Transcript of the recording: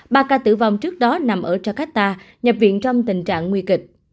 ba ca tử vong trước đó nằm ở jakarta nhập viện trong tình trạng nguy kịch